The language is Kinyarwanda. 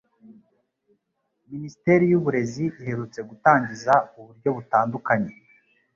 Minisiteri y'Uburezi iherutse gutangiza uburyo butandukanye